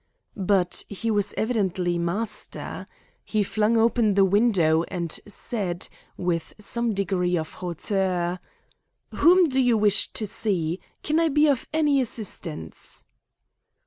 But he was evidently master. He flung open the window, and said, with some degree of hauteur: "Whom do you wish to see? Can I be of any assistance?"